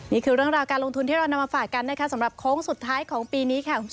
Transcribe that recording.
นี่คือเรื่องราวการลงทุนที่เรานำมาฝากกันสำหรับโค้งสุดท้ายของปีนี้